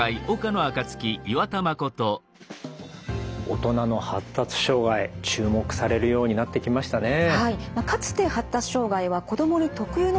大人の発達障害注目されるようになってきましたね。